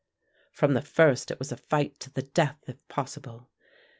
From the first it was a fight to the death if possible.